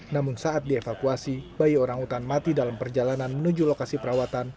namun saat dievakuasi bayi orangutan mati dalam perjalanan menuju lokasi perawatan